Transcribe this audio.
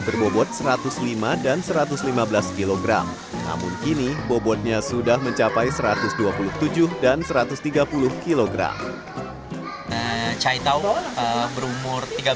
berbobot satu ratus lima dan satu ratus lima belas kg namun kini bobotnya sudah mencapai satu ratus dua puluh tujuh dan satu ratus tiga puluh kg caitau berumur